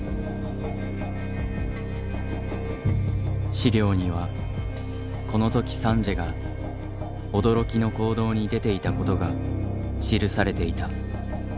資料にはこの時サンジエが驚きの行動に出ていたことが記されていた。